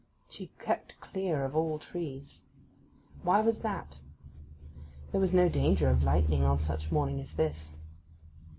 She kept clear of all trees. Why was that? There was no danger of lightning on such a morning as this.